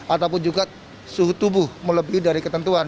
ataupun juga suhu tubuh melebihi dari ketentuan